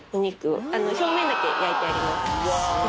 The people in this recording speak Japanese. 表面だけ焼いてあります。